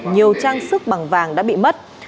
nhiều trang sức bằng vàng đã bị mất